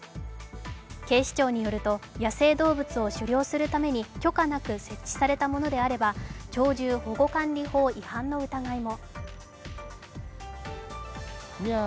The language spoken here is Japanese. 警視庁によると野生動物を狩猟するために許可なく設置されたものであれば鳥獣保護管理法違反の疑いも。